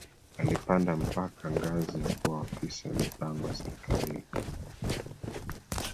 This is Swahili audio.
Alipanda mpaka ngazi ya kuwa afisa wa mipango serikalini